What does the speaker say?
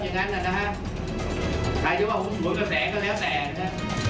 อย่างนั้นน่ะนะฮะใครจะว่าหุ้นสวยก็แตกก็แล้วแตกนะฮะ